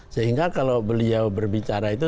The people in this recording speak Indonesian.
sehingga kalau beliau berbicara itu